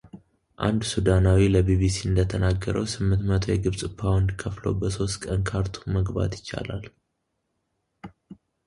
አንድ ሱዳናዊ ለቢቢሲ እንደተናገረው ስምንት መቶ የግብጽ ፓውንድ ከፍሎ በሦስት ቀን ካርቱም መግባት ይቻላል።